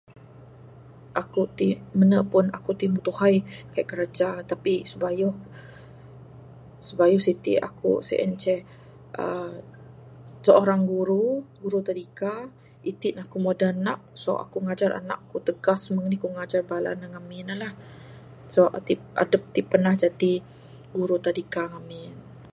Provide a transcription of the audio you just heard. Aku ti mene pun aku ti mbuh tuhai kaii kiraja tapi sibayuh...sibayuh siti aku sien ceh aaa seorang guru...guru tadika. Iti ne aku mbuh adeh anak so aku ngajar anak ku tegas meng anih ku ngajar bala ne ngamin ne la. So, adep...adep ti pernah jadi guru tadika ngamin.